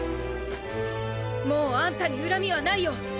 もうあんたに恨みはないよ。